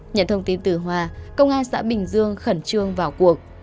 nhận thông tin từ hòa công an xã bình dương khẩn trương vào cuộc